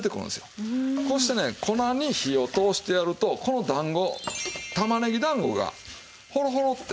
こうしてね粉に火を通してやるとこの団子玉ねぎ団子がほろほろって。